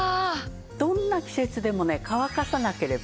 どんな季節でもね乾かさなければね